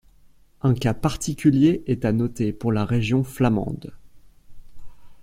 Un cas particulier est à noter pour la Région flamande.